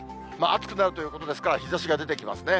暑くなるということですから、日ざしが出てきますね。